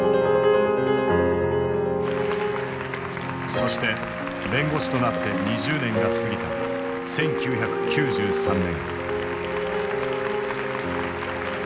そして弁護士となって２０年が過ぎた１９９３年。